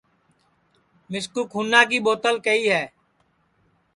مِسکُو کُھونا کی ٻُوتل کیہی ہے